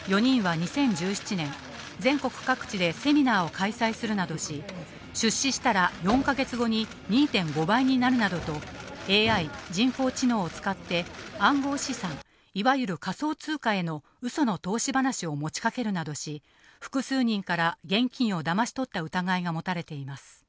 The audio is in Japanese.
捜査関係者によりますと、４人は２０１７年、全国各地でセミナーを開催するなどし、出資したら４か月後に２．５倍になるなどと、ＡＩ・人工知能を使って、暗号資産、いわゆる仮想通貨へのうその投資話を持ちかけるなどし、複数人から現金をだまし取った疑いが持たれています。